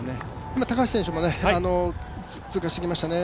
今高橋選手も通過していきましたね。